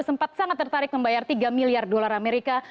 membuat anda sangat tertarik membayar tiga miliar dolar amerika